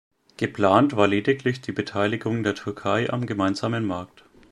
Geplant war lediglich die Beteiligung der Türkei am Gemeinsamen Markt.